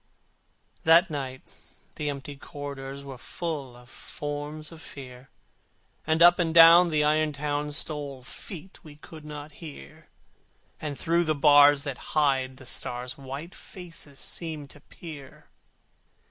That night the empty corridors Were full of forms of Fear, And up and down the iron town Stole feet we could not hear, And through the bars that hide the stars White faces seemed to peer.